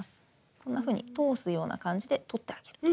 こんなふうに通すような感じで取ってあげると。